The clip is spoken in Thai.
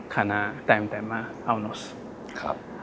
ขณะแต่มมาก